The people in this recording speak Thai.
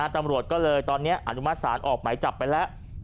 ตำรวจก็เลยตอนนี้อนุมัติศาลออกหมายจับไปแล้ว